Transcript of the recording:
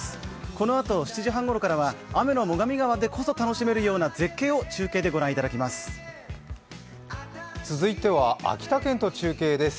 このあと７時半ごろからは雨の最上川でこそ楽しめるような絶景を中継でご覧いただきます。